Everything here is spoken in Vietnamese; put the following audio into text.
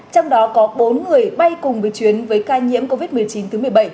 trong đó có bốn người bay cùng với chuyến với ca nhiễm covid một mươi chín thứ một mươi bảy